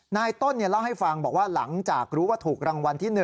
นายต้นเล่าให้ฟังบอกว่าหลังจากรู้ว่าถูกรางวัลที่๑